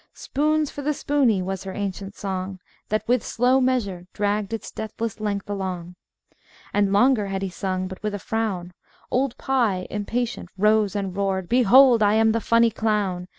"Spoons for the spooney," was her ancient song, That with slow measure dragged its deathless length along. And longer had she sung, but with a frown, Old Pie, impatient, rose And roared, "Behold, I am the Funny Clown!